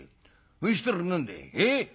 そしたら何だいえ？